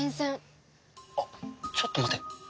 あっちょっと待て。